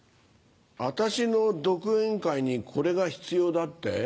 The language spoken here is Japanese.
私の独演会にこれが必要だって？